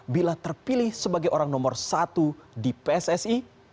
bila terpilih sebagai orang nomor satu di pssi